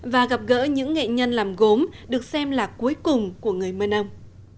và gặp gỡ những nghệ nhân làm gốm được xem là cuối cùng của người mơ ông